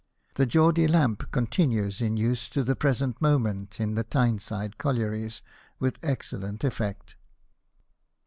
The Geordie lamp continues in use to the present moment in the Tyneside collieries with excellent effect.